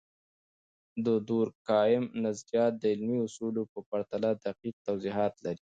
د دورکهايم نظریات د علمي اصولو په پرتله دقیق توضیحات لري.